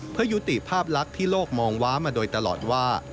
เพื่อยุติภาพลักษณ์ที่โลกมองว้ามาโดยตลอดว่า